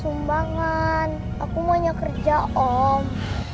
aku mau nyekerja om